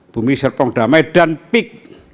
bumi serpong damai dan peak